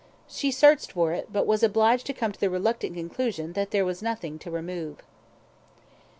She searched for it, but was obliged to come to the reluctant conclusion that there was nothing to remove.